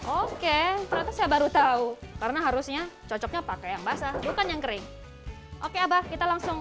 oke protesnya baru tahu karena harusnya cocoknya pakai yang basah bukan yang kering oke abah kita langsung